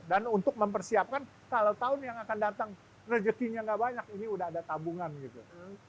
dan untuk mempersiapkan kalau tahun yang akan datang rezekinya nggak banyak ini udah ada tabungan gitu